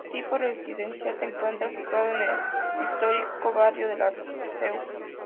De tipo residencial, se encuentra situado en el histórico barrio de La Seu.